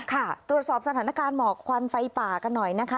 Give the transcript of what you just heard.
ค่ะตรวจสอบสถานการณ์หมอกควันไฟป่ากันหน่อยนะคะ